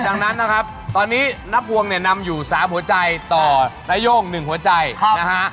ดังนั้นนะครับตอนนี้นับวงเนี่ยนำอยู่๓หัวใจต่อนโย่ง๑หัวใจนะฮะ